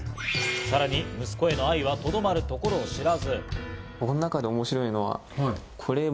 さらに息子への愛はとどまることを知らず。